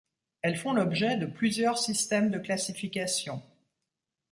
Elles font l'objet de plusieurs systèmes de classification.